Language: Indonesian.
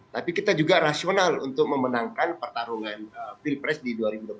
tapi kita juga rasional untuk memenangkan pertarungan pilpres di dua ribu dua puluh